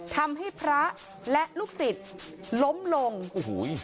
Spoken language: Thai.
ทำให้พระและลูกศิษย์ล้มลงโอ้โห